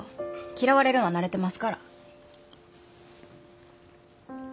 嫌われるんは慣れてますから。